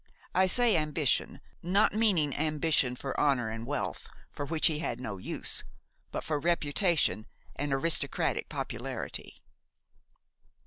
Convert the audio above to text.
I say ambition, not meaning ambition for honor and wealth, for which he had no use, but for reputation and aristocratic popularity.